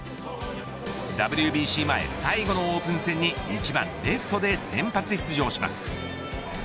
ＷＢＣ前、最後のオープン戦に１番レフトで先発出場します。